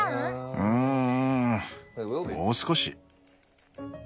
うんもう少し。